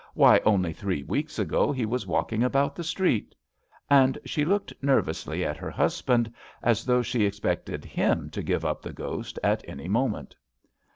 Why, only three weeks ago he was walking about the street." And she looked nervously at her husband, as though she expected him to give up the ghost at any minute.